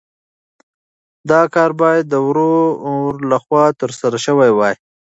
دا کار باید د ورور لخوا ترسره شوی وای.